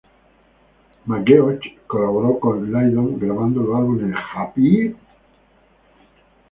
McGeoch colaboro con Lydon grabando los álbumes "Happy?